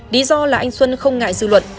lý do là anh xuân không ngại dư luận